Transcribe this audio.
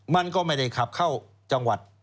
มันก็ไม่ได้ขับเข้าจังหวัด